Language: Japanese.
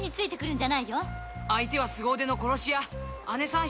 相手はすご腕の殺し屋あねさん